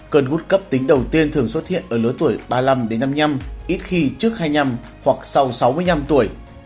cơn gút cấp tính đầu tiên thường xuất hiện ở lứa tuổi ba mươi năm đến năm mươi năm ít khi trước hai mươi năm hoặc sau sáu mươi năm tuổi